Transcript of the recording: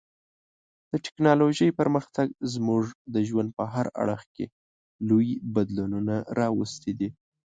د ټکنالوژۍ پرمختګ زموږ د ژوند په هر اړخ کې لوی بدلونونه راوستي دي.